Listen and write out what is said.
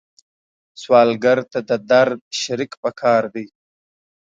سوالګر ته د درد شریک پکار دی